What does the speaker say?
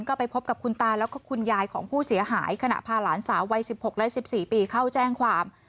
ก็ไปพบกับคุณตาแล้วก็คุณยายของผู้เสียหายขณะพาหลานสาววัย๑๖และ๑๔ปีเข้าแจ้งความ